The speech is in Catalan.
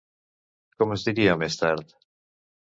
Com es diria més tard?